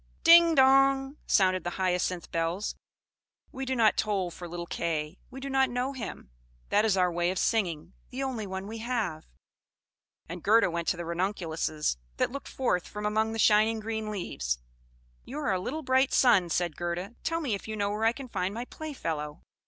"Ding, dong!" sounded the Hyacinth bells. "We do not toll for little Kay; we do not know him. That is our way of singing, the only one we have." And Gerda went to the Ranunculuses, that looked forth from among the shining green leaves. "You are a little bright sun!" said Gerda. "Tell me if you know where I can find my playfellow."